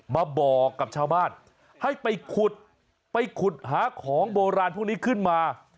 มาบอกกับชาวบ้านให้ไปขุดไปขุดหาของโบราณพวกนี้ขึ้นมา